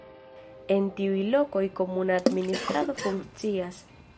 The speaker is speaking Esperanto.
En tiuj lokoj komuna administrado funkcias.